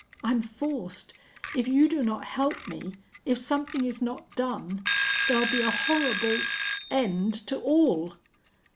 "I'm forced. If you do not help me, if something is not done, there'll be a horrible end to all!"